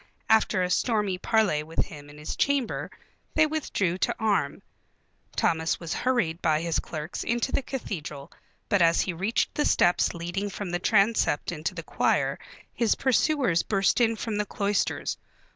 After a stormy parley with him in his chamber they withdrew to arm. Thomas was hurried by his clerks into the cathedral, but as he reached the steps leading from the transept into the choir his pursuers burst in from the cloisters.